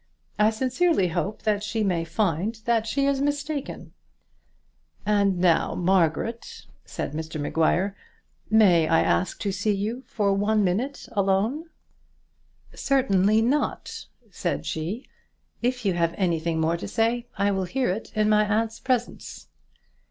I sincerely hope that she may find that she is mistaken." "And now, Margaret," said Mr Maguire, "may I ask to see you for one minute alone?" "Certainly not," said she. "If you have anything more to say I will hear it in my aunt's presence."